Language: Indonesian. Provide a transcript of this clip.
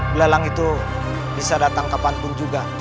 belalang itu bisa datang kapan pun juga